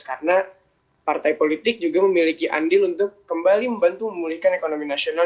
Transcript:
karena partai politik juga memiliki andil untuk kembali membantu memulihkan ekonomi nasional